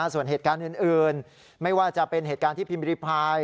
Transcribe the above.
ส่วนเหตุการณ์อื่นไม่ว่าจะเป็นเหตุการณ์ที่พิมพิริพาย